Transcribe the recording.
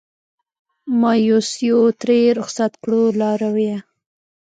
مایوسیو ترې رخصت کړو لارویه